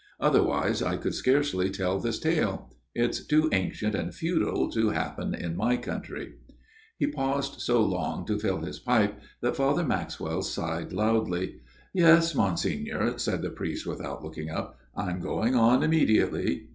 Otherwise I could scarcely tell this tale. It's too ancient and feudal to happen in my country." FATHER JENKS' TALE 157 He paused so long to fill his pipe that Father Maxwell sighed aloud. " Yes, Monsignor," said the priest without looking up. " I am going on immediately."